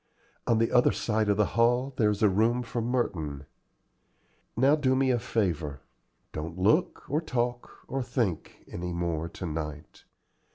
On the other side of the hall there is a room for Merton. Now do me a favor: don't look, or talk, or think, any more to night.